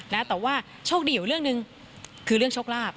แต่ว่าโชคดีอยู่เรื่องหนึ่งคือเรื่องโชคลาภ